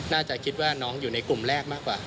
น่าจะคิดว่าน้องอยู่ในกลุ่มแรกมากกว่า